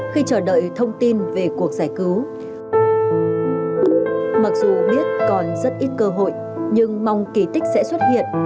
khi chờ đợi thông tin về cuộc giải cứu mặc dù biết còn rất ít cơ hội nhưng mong kỳ tích sẽ xuất hiện